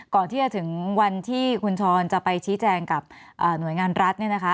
ก่อนที่จะถึงวันที่คุณช้อนจะไปชี้แจงกับหน่วยงานรัฐเนี่ยนะคะ